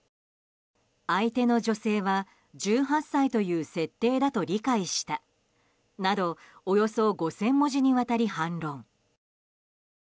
相手の女性は１８歳という設定だと理解したなどおよそ５０００文字にわたり反論。